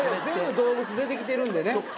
全部動物出てきてるんでね。